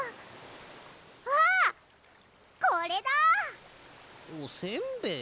あっこれだ！おせんべい？